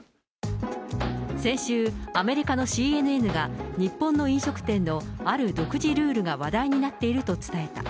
先週、アメリカのＣＮＮが日本の飲食店のある独自ルールが話題になっていると伝えた。